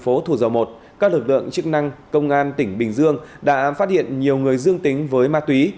tại tỉnh bình dương các lực lượng chức năng công an tỉnh bình dương đã phát hiện nhiều người dương tính với ma túy